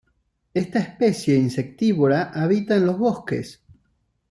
Esta especie insectívora habita en los bosques.